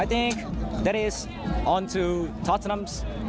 ข้างในในท็อตแนม